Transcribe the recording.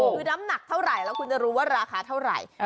คือน้ำหนักเท่าไหร่แล้วคุณจะรู้ว่าราคาเท่าไหร่